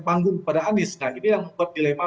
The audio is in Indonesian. panggung kepada anies nah ini yang membuat dilema